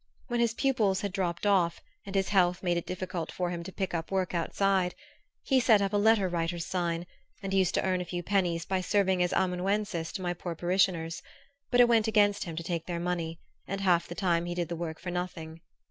When his pupils dropped off, and his health made it difficult for him to pick up work outside, he set up a letter writer's sign, and used to earn a few pennies by serving as amanuensis to my poor parishioners; but it went against him to take their money, and half the time he did the work for nothing.